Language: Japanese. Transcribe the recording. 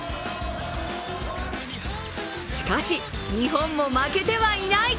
しかし日本も負けてはいない！